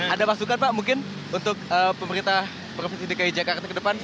ada masukan pak mungkin untuk pemerintah provinsi dki jakarta ke depan